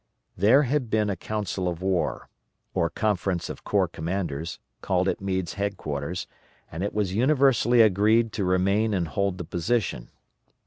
There had been a Council of War, or Conference of Corps Commanders, called at Meade's headquarters, and it was universally agreed to remain and hold the position.